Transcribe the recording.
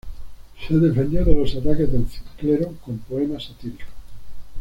Se defendió de los ataques del clero con poemas satíricos.